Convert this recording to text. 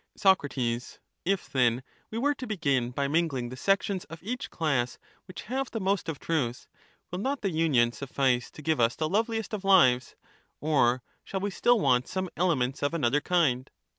Soc. If, then, we were to begin by mingling the sections of each class which have the most of truth, will not the union suffice to give us the loveliest of lives, or shall we still want some elements of another kind